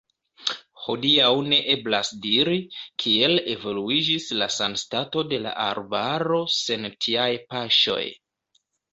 Hodiaŭ ne eblas diri, kiel evoluiĝis la sanstato de la arbaro sen tiaj paŝoj.